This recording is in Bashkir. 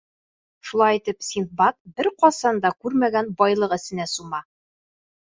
Шулай итеп, Синдбад бер ҡасан да күрмәгән байлыҡ эсенә сума.